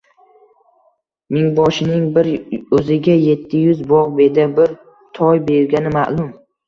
Mingboshining bir o‘ziga yetti yuz bog‘ beda, bir toy bergani ma’lum